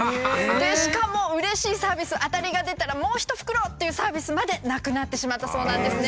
でしかもうれしいサービス当たりが出たらもう一袋っていうサービスまでなくなってしまったそうなんですね。